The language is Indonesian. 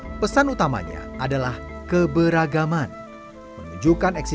menunjukkan eksistensi masjid dari tionghoa di kota tilna indonesia menyegar keberagaman tersebut kepada cpi